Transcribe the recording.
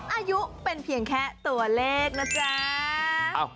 อายุเป็นเพียงแค่ตัวเลขนะจ๊ะ